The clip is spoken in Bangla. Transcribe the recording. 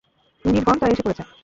ইউনিটগণ, তারা এসে পড়েছে।